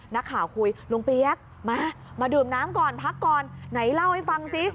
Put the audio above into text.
นักข่าวคุยลุงเปี๊ยกมามาดื่มน้ำก่อนพักก่อนไหนเล่าให้ฟังสิ